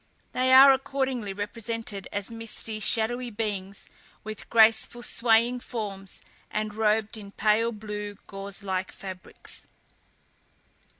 They are accordingly represented as misty, shadowy beings, with graceful swaying forms, and robed in pale blue, gauze like fabrics.